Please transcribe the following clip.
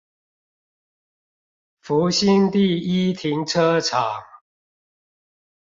福興第一停車場